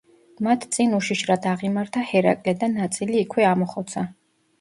მათ წინ უშიშრად აღიმართა ჰერაკლე და ნაწილი იქვე ამოხოცა.